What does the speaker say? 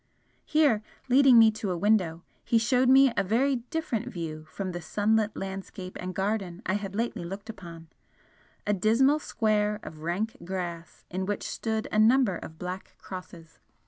Here, leading me to a window, he showed me a very different view from the sunlit landscape and garden I had lately looked upon, a dismal square of rank grass in which stood a number of black crosses.